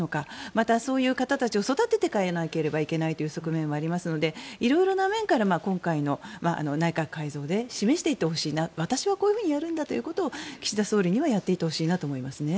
またそういう方たちを育てていかなければいけないという側面もありますので色々な面から今回の内閣改造で示していってほしいな私はこういうふうにやるんだということを岸田総理にはやっていってほしいと思います。